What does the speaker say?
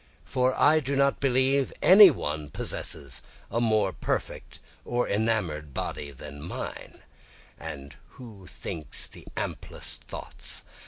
for I do not believe any one possesses a more perfect or enamour'd body than mine, And who thinks the amplest thoughts?